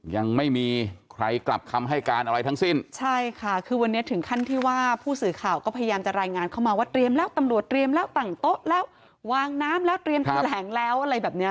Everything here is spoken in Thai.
ยังไม่มีใครกลับคำให้การอะไรทั้งสิ้นใช่ค่ะคือวันนี้ถึงขั้นที่ว่าผู้สื่อข่าวก็พยายามจะรายงานเข้ามาว่าเตรียมแล้วตำรวจเตรียมแล้วตั้งโต๊ะแล้ววางน้ำแล้วเตรียมแถลงแล้วอะไรแบบเนี้ย